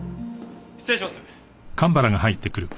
失礼します。